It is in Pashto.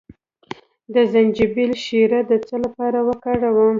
د زنجبیل شیره د څه لپاره وکاروم؟